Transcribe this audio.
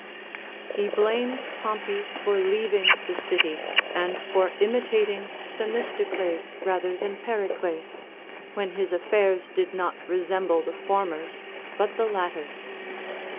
He blamed Pompey for leaving the city, and for imitating Themistocles rather than Pericles, when his affairs did not resemble the former s but the latter's.